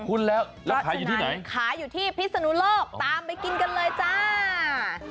คุ้นแล้วแล้วขายอยู่ที่ไหนขายอยู่ที่พิศนุโลกตามไปกินกันเลยจ้า